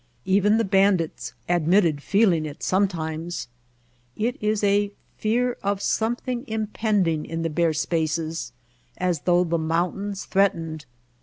Even the bandits admit ted feeling it sometimes. It is a fear of some thing impending in the bare spaces, as though the mountains threatened.